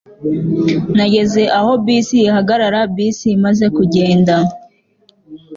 nageze aho bisi ihagarara bisi imaze kugenda